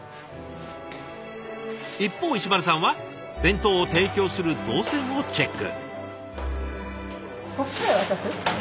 一方石丸さんは弁当を提供する動線をチェック。